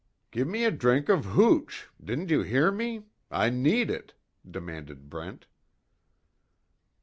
"Give me a drink of hooch! Didn't you hear me? I need it," demanded Brent.